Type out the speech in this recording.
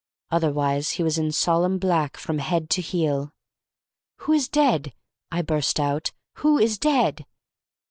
Otherwise he was in solemn black from head to heel. "Who is dead?" I burst out. "Who is dead?"